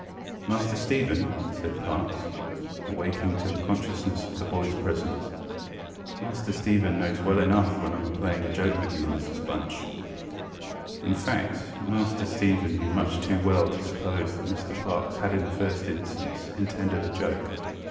Master Stephen? ŌĆØ said Parkes, awaking to the consciousness of the boyŌĆÖs presence. ŌĆ£Master Stephen knows well enough when IŌĆÖm a playing a joke with you, Mrs Bunch.ŌĆØ In fact, Master Stephen knew much too well to suppose that Mr Parkes had in the first instance intended a joke.